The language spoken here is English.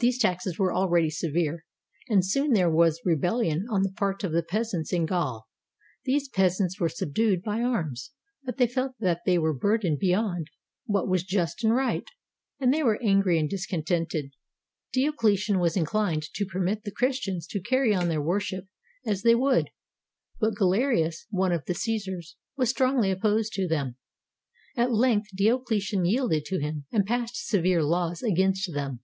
These taxes were already severe, and soon there was rebellion on the part of the peasants in Gaul. These peasants were subdued by arms, but they felt that they were burdened beyond what was just and right, and they were angry and discontented. 527 ROME Diocletian was inclined to permit the Christians to carry on their worship as they would, but Galerius, one of the Caesars, was strongly opposed to them. At length Diocletian yielded to him and passed severe laws against them.